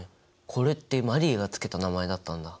これってマリーが付けた名前だったんだ。